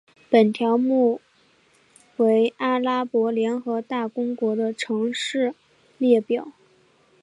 本条目为阿拉伯联合大公国的城市列表。